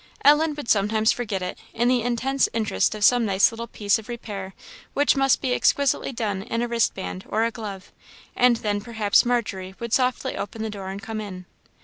Ellen would sometimes forget it, in the intense interest of some nice little piece of repair which must be exquisitely done in a wrist band or a glove; and then perhaps Margery would softly open the door and come in.